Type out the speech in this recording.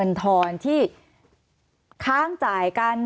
สวัสดีครับทุกคน